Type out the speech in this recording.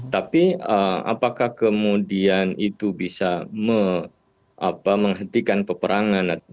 tapi apakah kemudian itu bisa menghentikan peperangan